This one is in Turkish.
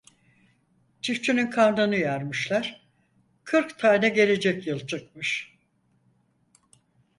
Çiftçinin karnını yarmışlar, kırk tane gelecek yıl çıkmış.